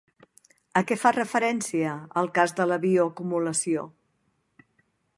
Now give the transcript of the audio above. A què fa referència el cas de la bioacumulació?